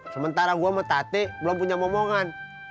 sementara gue sama tate belum punya omongan